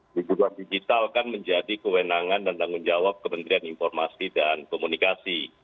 hubungan digital kan menjadi kewenangan dan tanggung jawab kementerian informasi dan komunikasi